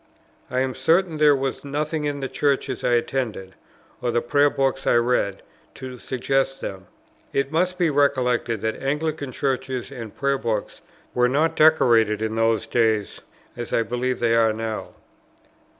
I am certain there was nothing in the churches I attended, or the prayer books I read, to suggest them. It must be recollected that Anglican churches and prayer books were not decorated in those days as I believe they are now.